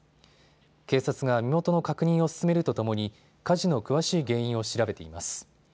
警察が身元の確認を進めるとともに火事の詳しい原因を調べています。